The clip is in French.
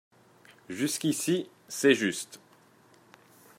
Jusqu’ici, c’est juste